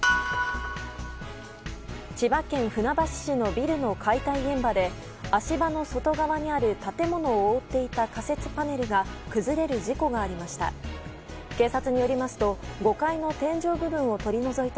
千葉県船橋市のビルの解体現場で足場の外側にある建物を覆っていた仮設パネルが崩れる事故がありました。